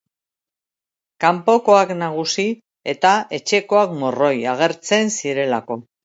Kanpokoak nagusi eta etxekoak morroi agertzen zirelako.